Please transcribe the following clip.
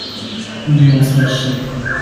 雇用測試